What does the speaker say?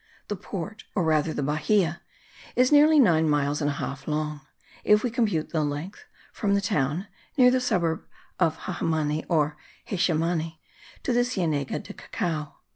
The port, or rather the bahia, is nearly nine miles and a half long, if we compute the length from the town (near the suburb of Jehemani or Xezemani) to the Cienega of Cacao.